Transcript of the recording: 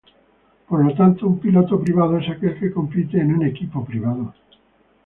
Por lo tanto, un piloto privado es aquel que compite en un equipo privado.